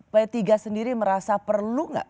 p tiga sendiri merasa perlu nggak